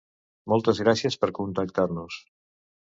Moltes gràcies per contactar-nos.